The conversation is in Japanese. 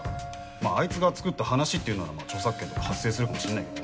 まああいつが作った話っていうならまあ著作権とか発生するかもしんないけど。